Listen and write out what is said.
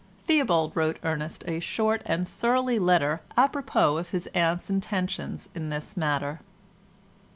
Theobald wrote Ernest a short and surly letter à propos of his aunt's intentions in this matter.